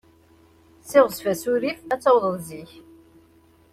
Ssiɣzef asurif, ad tawḍeḍ zik.